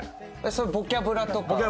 それは『ボキャブラ』とか？